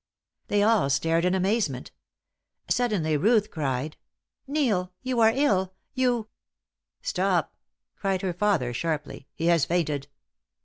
They all stared in amazement. Suddenly Ruth cried "Neil you are ill you " "Stop!" cried her father, sharply. "He has fainted."